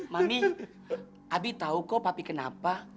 mami abi tahu kok papi kenapa